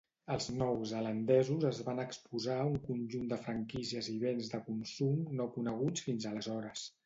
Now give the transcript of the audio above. Els nou zelandesos es van exposar a un conjunt de franquícies i béns de consum no coneguts fins aleshores.